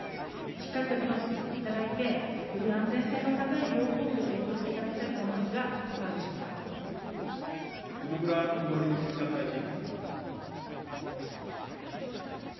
しっかりと議論していただいて、より安全性の高い利用方法を検討していただきたいと思いますが、野村農林水産大臣。